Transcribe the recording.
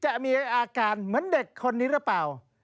จะมีอาการเหมือนเด็กคนนี้หรือเปล่า